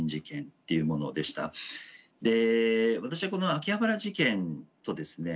で私はこの秋葉原事件とですね